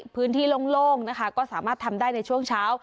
พื้นที่โล่งก็สามารถทำได้ในช่วงเช้า